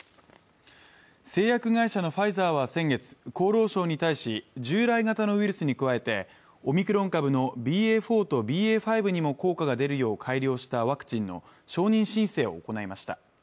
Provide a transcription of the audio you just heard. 製薬会社のファイザーは先月厚労省に対し、従来型のウイルスに加えて、オミクロン株のＢＡ．４とＢＡ．５にも効果が出るよう改良したワクチンの承認申請を行いました。